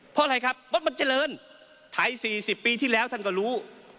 เพราะอะไรครับวัดมันเจริญไทย๔๐ปีที่แล้วท่านก็รู้